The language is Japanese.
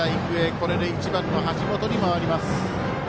これで１番の橋本に回ります。